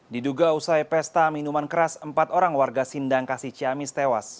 diduga usai pesta minuman keras empat orang warga sindang kasih ciamis tewas